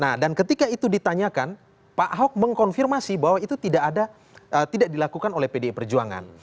nah dan ketika itu ditanyakan pak ahok mengkonfirmasi bahwa itu tidak ada tidak dilakukan oleh pdi perjuangan